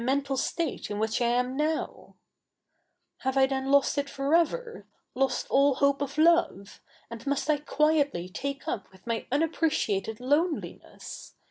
ital state i7i which I am now I '" Have I then lost it for ever — lost all hope of love ? and must I quietly take up with my unappreciated lone liness